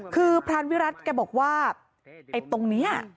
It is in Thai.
คือพรานวิรัติแกบอกว่าไอ้ตรงนี้